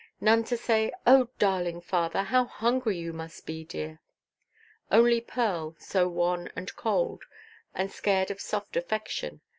None to say, "Oh, darling father, how hungry you must be, dear!" Only Pearl, so wan and cold, and scared of soft affection.